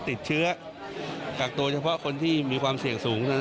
คนที่ติดเชื้อกักตัวเฉพาะคนที่มีความเสี่ยงสูง